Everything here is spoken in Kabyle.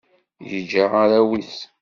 Yeǧǧa arraw-is.